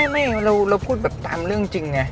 ไม่เราพูดแบบตามเรื่องจริงไง